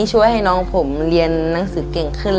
ช่วยให้น้องผมเรียนหนังสือเก่งขึ้น